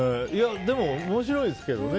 でも面白いですけどね。